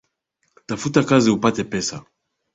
Tafuta kazi upate pesa